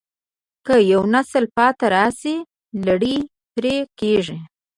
که یو نسل پاتې راشي، لړۍ پرې کېږي.